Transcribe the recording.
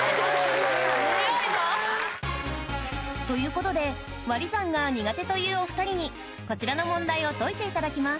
強いぞ！ということでわり算が苦手というお２人にこちらの問題を解いていただきます